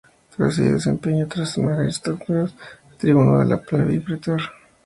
Tras ello desempeñó otras magistraturas: tribuno de la plebe y pretor.